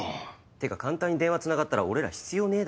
てか簡単に電話つながったら俺ら必要ねえだろ。